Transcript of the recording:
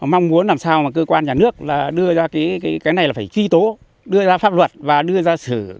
mong muốn làm sao mà cơ quan nhà nước là đưa ra cái này là phải truy tố đưa ra pháp luật và đưa ra xử